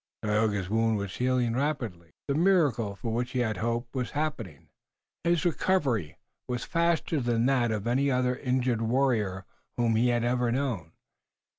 Tayoga's wound was healing rapidly. The miracle for which he had hoped was happening. His recovery was faster than that of any other injured warrior whom he had ever known.